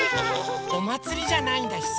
おまつりじゃないんだしさ。